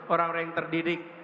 orang orang yang terdidik